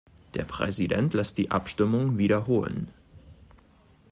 Der Präsident lässt die Abstimmung wiederholen.